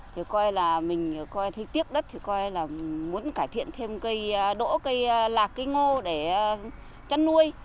thì coi là mình coi thế đất thì coi là muốn cải thiện thêm cây đỗ cây lạc cây ngô để chăn nuôi